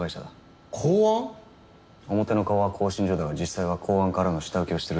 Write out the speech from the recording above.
表の顔は興信所だが実際は公安からの下請けをしてるらしい。